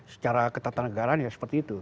secara ketatanegaraan ya seperti itu